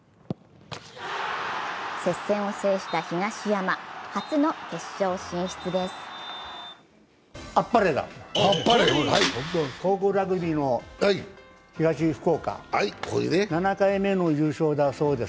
接戦を制した東山、初の決勝進出です。